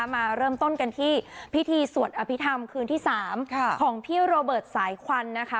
มาเริ่มต้นกันที่พิธีสวดอภิษฐรรมคืนที่๓ของพี่โรเบิร์ตสายควันนะคะ